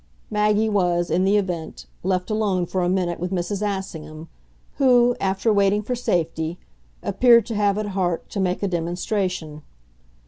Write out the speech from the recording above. Maggie, was, in the event, left alone for a minute with Mrs. Assingham, who, after waiting for safety, appeared to have at heart to make a demonstration.